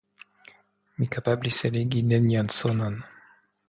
Mi kapablis eligi nenian sonon.